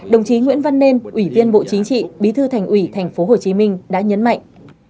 đồng chí nguyễn văn nên ủy viên bộ chính trị bí thư thành ủy tp hcm đã nhấn mạnh